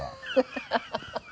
ハハハハ！